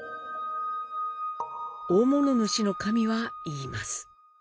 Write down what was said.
大物主神は言います。